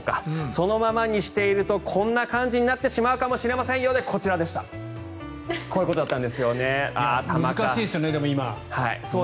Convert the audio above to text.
そのままにしているとこんな感じになってしまうかもしれませんよでこちらでした。